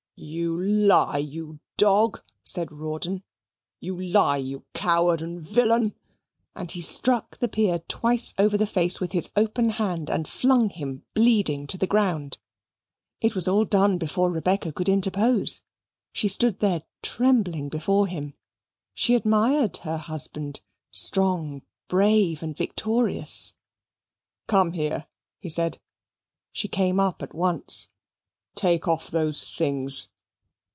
"You lie, you dog!" said Rawdon. "You lie, you coward and villain!" And he struck the Peer twice over the face with his open hand and flung him bleeding to the ground. It was all done before Rebecca could interpose. She stood there trembling before him. She admired her husband, strong, brave, and victorious. "Come here," he said. She came up at once. "Take off those things."